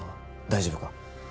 大丈夫か？